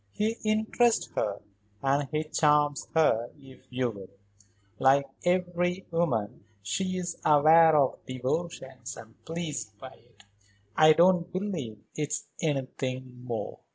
He interests her, and he charms her if you will. Like every woman, she is aware of devotion and pleased by it. I don't believe it's anything more."